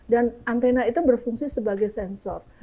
dan antena itu berfungsi sebagai sensor